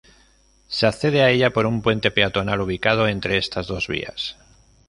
Se accede a ella por un puente peatonal ubicado entre estas dos vías.